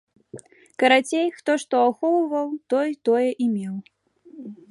Карацей, хто што ахоўваў, той тое і меў.